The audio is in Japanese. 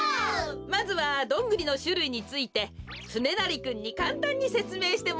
まずはどんぐりのしゅるいについてつねなりくんにかんたんにせつめいしてもらいます。